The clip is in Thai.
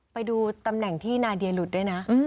ไปดูตำแหน่งที่นาเดียหลุดด้วยนะ